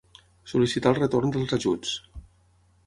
Sol·licitar el retorn dels ajuts.